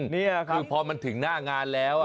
นี่ค่ะครับคือพอมันถึงหน้างานแล้วอ่ะ